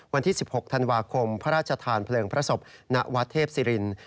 วันที่๑๖ธันวาคมพระราชทานเพลิงพระศพณวัดเทพศิริน